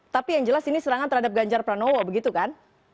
tapi yang jelas ini serangan terhadap ganjar pranowo begitu kan